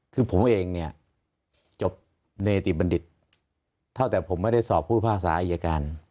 คือผมเองเนี่ยจบเนติบัณฑิตเท่าแต่ผมไม่ได้สอบผู้พิพากษาอายการ